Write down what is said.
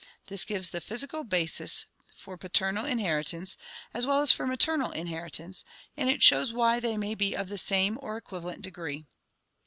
This gives the physical basis for paternal 144 ORGANIC EVOLUTION inheritance as well as for maternal inheritance, and it shows why they may be of the same or equivalent degree.